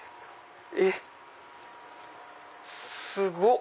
えっ⁉すごっ！